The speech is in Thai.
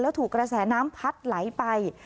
แล้วถูกกระแสน้ำพัดไหลไป